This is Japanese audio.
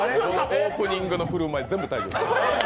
オープニングの振る舞い全部退場。